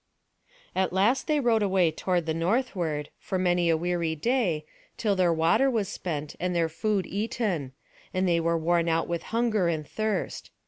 At last they rowed away toward the northward, for many a weary day, till their water was spent, and their food eaten; and they were worn out with hunger and thirst.